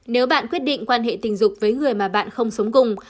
nếu bạn quyết định quan hệ tình dục với người mà bạn không sống cùng